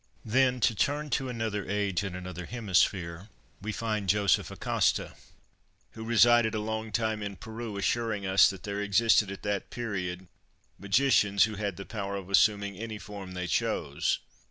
Then, to turn to another age and another hemisphere, we find Joseph Acosta, who resided a long time in Peru, assuring us that there existed at that period magicians who had the power of assuming any form they chose.